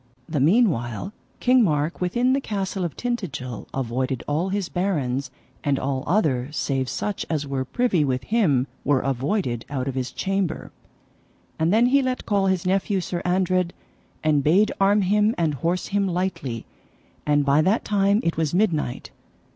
The meanwhile King Mark within the castle of Tintagil avoided all his barons, and all other save such as were privy with him were avoided out of his chamber. And then he let call his nephew Sir Andred, and bade arm him and horse him lightly; and by that time it was midnight.